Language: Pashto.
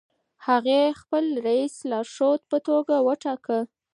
هغې خپل رییس د لارښود په توګه وټاکه.